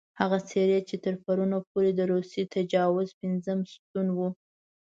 هغه څېرې چې تر پرونه پورې د روسي تجاوز پېنځم ستون وو.